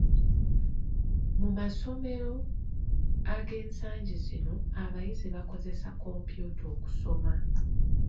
Mu masomero ag'ensangi zino, abayizi bakozesa kompyuta okusoma.